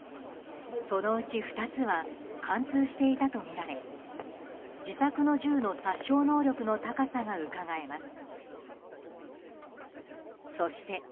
そのうち２つは貫通していたとみられ自作の銃の殺傷能力の高さがうかがえます。